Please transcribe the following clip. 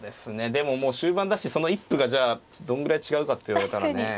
でももう終盤だしその一歩がじゃあどんぐらい違うかって言われたらねえ。